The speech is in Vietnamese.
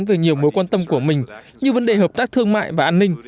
về nhiều mối quan tâm của mình như vấn đề hợp tác thương mại và an ninh